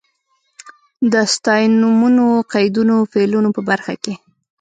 د ستاینومونو، قیدونو، فعلونو په برخه کې.